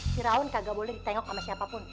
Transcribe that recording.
si raun kagak boleh ditengok sama siapapun